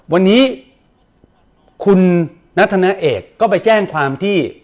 วันนี้คุณนัทธนาเอกก็ไปแจ้งความที่